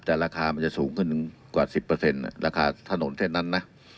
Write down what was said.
แต่ราคามันจะสูงขึ้นกว่า๑๐ราคาถนนเส้นนั้นนะ